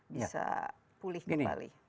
bisa pulih kembali